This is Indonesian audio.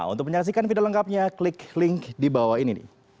untuk menyaksikan video lengkapnya klik link di bawah ini